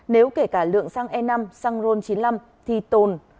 nếu kể cả lượng xăng e năm xăng ron chín mươi năm thì tồn